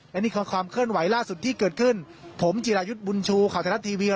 และนี่คือความเคลื่อนไหวล่าสุดที่เกิดขึ้นผมจิรายุทธ์บุญชูข่าวไทยรัฐทีวี